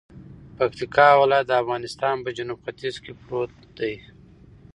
پکتیکا ولایت دافغانستان په جنوب ختیځ کې پروت دی